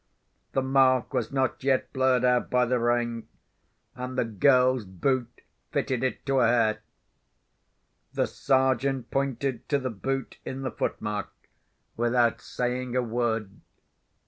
The mark was not yet blurred out by the rain—and the girl's boot fitted it to a hair. The Sergeant pointed to the boot in the footmark, without saying a word.